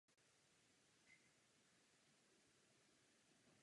Nabídku přijal a nastoupil na oddělení studií designu.